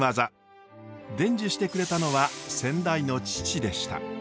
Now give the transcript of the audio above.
伝授してくれたのは先代の父でした。